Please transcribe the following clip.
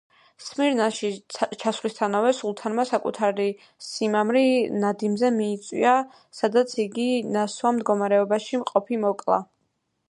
სმირნაში ჩასვლისთანავე, სულთანმა საკუთარი სიმამრი ნადიმზე მიიწვია, სადაც იგი ნასვამ მდგომარეობაში მყოფი მოკლა.